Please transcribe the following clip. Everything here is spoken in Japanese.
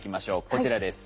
こちらです。